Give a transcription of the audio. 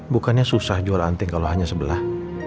bukannya susah juara anting kalau hanya sebelah